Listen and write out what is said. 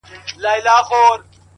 ته هم چنداني شی ولاکه يې ه ياره!